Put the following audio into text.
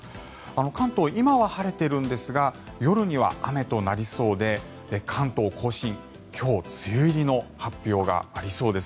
関東、今は晴れてるんですが夜には雨となりそうで関東・甲信、今日梅雨入りの発表がありそうです。